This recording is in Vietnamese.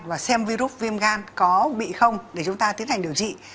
và xem virus viêm gan có bị không để chúng ta tiến hành điều trị